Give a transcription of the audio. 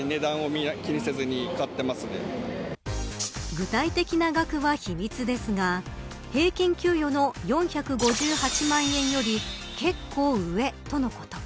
具体的な額は秘密ですが平均給与の４５８万円より結構上とのこと。